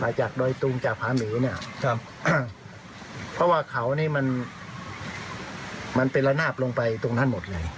จากดอยตุงจากผาหมีเนี่ยครับเพราะว่าเขานี่มันมันเป็นระนาบลงไปตรงนั้นหมดเลย